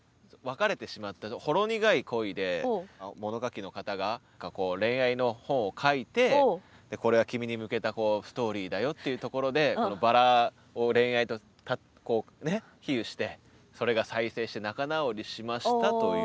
これは一回物書きの方が恋愛の本を書いてこれは君に向けたストーリーだよっていうところでこの薔薇を恋愛とこうね比喩してそれが再生して仲直りしましたという。